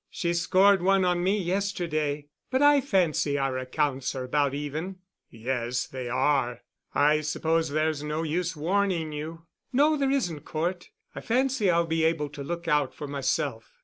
"She scored one on me yesterday, but I fancy our accounts are about even." "Yes, they are. I suppose there's no use warning you." "No, there isn't, Cort. I fancy I'll be able to look out for myself."